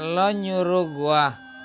lo nyuruh gua